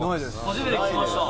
初めて聞きました。